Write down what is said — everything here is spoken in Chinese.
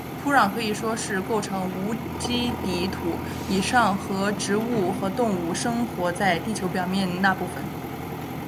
土壤可以说是构成无机底土以上和植物和动物生活在地球表面的那部分。